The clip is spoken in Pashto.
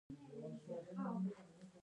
کاناډا د پارکونو اداره لري.